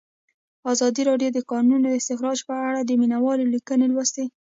ازادي راډیو د د کانونو استخراج په اړه د مینه والو لیکونه لوستي.